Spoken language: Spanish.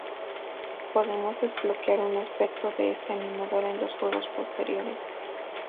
Podemos desbloquear un aspecto de este animador en los juegos posteriores.